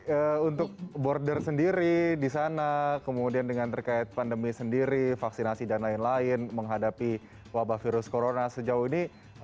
oke untuk border sendiri di sana kemudian dengan terkait pandemi sendiri vaksinasi dan lain lain menghadapi wabah virus corona sejauh ini